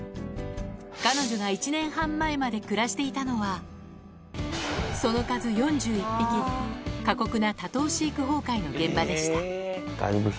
彼女が１年半前まで暮らしていたのは、その数４１匹、過酷な多頭飼育崩壊の現場でした。